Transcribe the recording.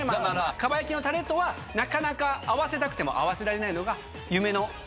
かば焼きのタレとはなかなか合わせたくても合わせられない。